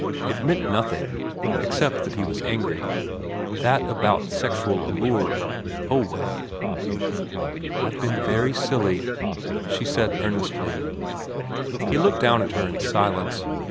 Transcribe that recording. It meant nothing, except that he was angry. That about sexual allure oh, well. ' I've been very silly,' she said earnestly. He looked down at her in silence.